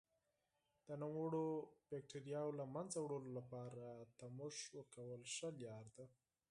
د نوموړو بکټریاوو له منځه وړلو لپاره تودوخه ورکول ښه لاره ده.